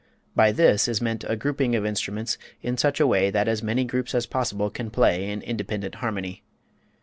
By this is meant a grouping of instruments in such a way that as many groups as possible can play in independent harmony.